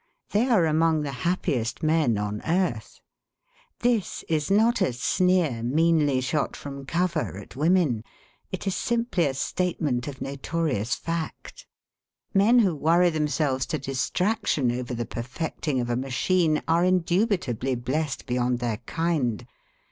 They are among the happiest men on earth. This is not a sneer meanly shot from cover at women. It is simply a statement of notorious fact. Men who worry themselves to distraction over the perfecting of a machine are indubitably blessed beyond their kind.